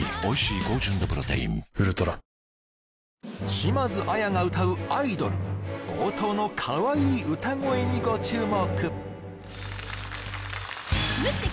島津亜矢が歌う「アイドル」冒頭のかわいい歌声にご注目